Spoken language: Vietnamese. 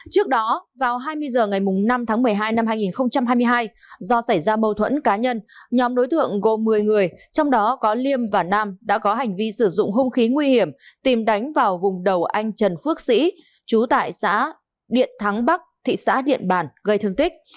trước đó vào hai mươi h ngày năm tháng một mươi hai năm hai nghìn hai mươi hai do xảy ra mâu thuẫn cá nhân nhóm đối tượng gồm một mươi người trong đó có liêm và nam đã có hành vi sử dụng hung khí nguy hiểm tìm đánh vào vùng đầu anh trần phước sĩ trú tại xã điện thắng bắc thị xã điện bàn gây thương tích